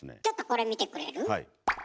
ちょっとこれ見てくれる？